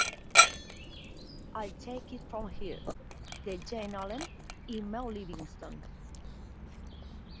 I'll Take It From Here" de Jane Allen y Mae Livingston.